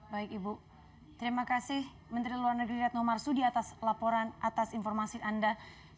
baik ibu terima kasih menteri luar negeri retno marsudi atas laporan atas informasi anda